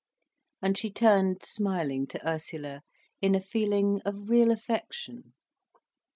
And she turned smiling to Ursula, in a feeling of real affection.